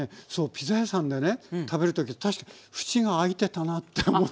ピザ屋さんでね食べる時確か縁が空いてたなって思って。